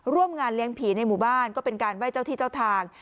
ร่วมงานเลี้ยงผีในหมู่บ้านก็เป็นการไหว้เจ้าที่เจ้าทาง